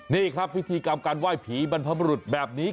นี่ครับพิธีกรรมการไหว้ผีบรรพบรุษแบบนี้